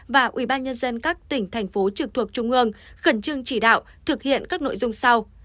và ubnd các tỉnh thành phố trực thuộc trung ương khẩn trương chỉ đạo thực hiện các nội dung sau